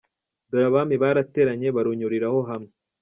Dore abami barateranye, Barunyuriraho hamwe